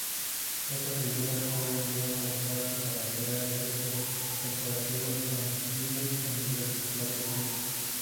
Estas figuras pueden luego usarse para crear efectos decorativos comestibles en diversos platos dulces.